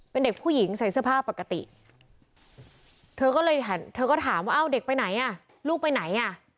เป็นเด็กผู้หญิงใส่เสื้อผ้าปกติเธอก็ถามว่าเด็กไปไหนลูกไปไหน